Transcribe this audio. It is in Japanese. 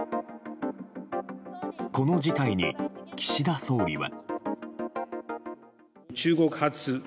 この事態に岸田総理は。